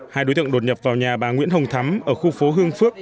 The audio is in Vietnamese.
hai đối tượng đột nhập vào nhà bà nguyễn hồng thắm ở khu phố hương phước